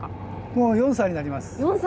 もう４歳になります。